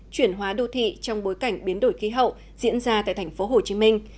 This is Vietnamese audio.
chuyển hóa đô thị trong bối cảnh biến đổi khí hậu diễn ra tại thành phố hồ chí minh